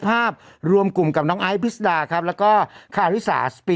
ภาพรวมกลุ่มกับน้องไอซ์พิษดาครับแล้วก็คาริสาสปี